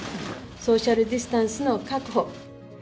ソーシャルディスタンスの確保。